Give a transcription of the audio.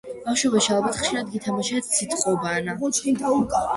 ბავშვობაში ალბათ ხშირად გითამაშიათ “სიტყვობანა“ -